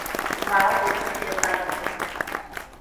মাও বোধ হয় টের পায় নাই।